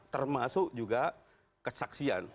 termasuk juga kesaksian